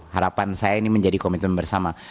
harapan saya ini menjadi komitmen bersama